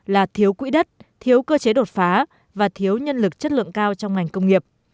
là thiếu quỹ đất thiếu cơ chế đột phá và thiếu nhân lực chất lượng cao trong ngành công nghiệp